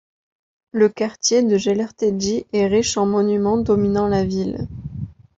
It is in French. Le quartier de Gellérthegy est riche en monuments dominant la ville.